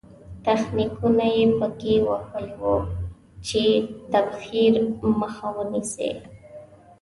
تخنیکونه یې په کې وهلي وو چې تبخیر مخه ونیسي.